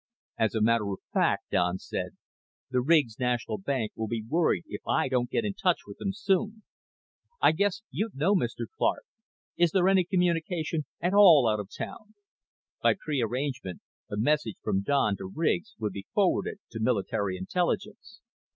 "As a matter of fact," Don said, "the Riggs National Bank will be worried if I don't get in touch with them soon. I guess you'd know, Mr. Clark is there any communication at all out of town?" By prearrangement, a message from Don to Riggs would be forwarded to Military Intelligence.